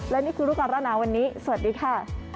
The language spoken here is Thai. และนี่คือรูปการณ์หนาวันนี้สวัสดีค่ะ